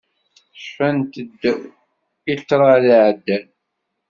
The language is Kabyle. Cfant-d i ṭṭrad iɛeddan.